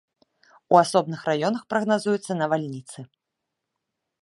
У асобных раёнах прагназуюцца навальніцы.